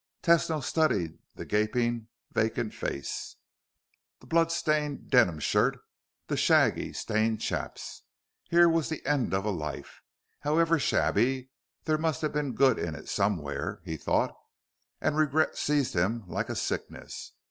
Tesno studied the gaping, vacant face, the blood stained denim shirt, the shaggy, stained chaps. Here was the end of a life. However shabby, there must have been good in it somewhere, he thought, and regret seized him like a sickness.